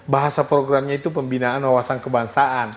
bahasa programnya itu pembinaan wawasan kebangsaan